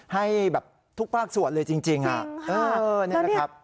ให้แบบทุกภาคส่วนเลยจริงนี่นะครับ